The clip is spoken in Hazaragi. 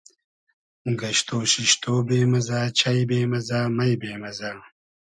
گئشتۉ شیشتۉ بې مئزۂ, چݷ بې مئزۂ, مݷ بې مئزۂ